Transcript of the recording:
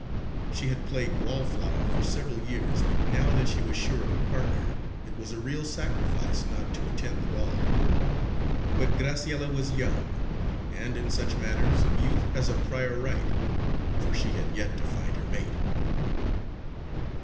She had played wall flower for several years, but now that she was sure of a partner, it was a real sacrifice not to attend the ball. But Graciella was young, and in such matters youth has a prior right; for she had yet to find her mate.